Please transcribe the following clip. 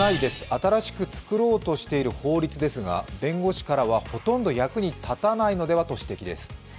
新し作ろうとしている法律ですが、弁護士からはほとんど役に立たないのではとの指摘です。